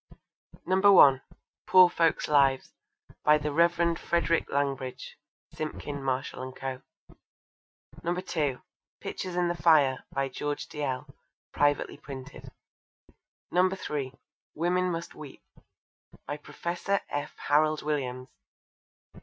(1) Poor Folks' Lives. By the Rev. Frederick Langbridge. (Simpkin, Marshall and Co.) (2) Pictures in the Fire. By George Dalziel. (Privately Printed.) (3) Women Must Weep. By Professor F. Harald Williams.